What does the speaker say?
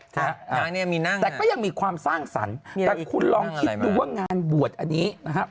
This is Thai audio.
แต่ก็ยังมีความสร้างสรรค์แต่คุณลองคิดดูว่างานบวชอันนี้นะครับ